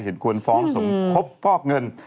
เห็นควรฟ้องสมคบฟอกเงิน